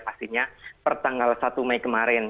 pastinya pertanggal satu mei kemarin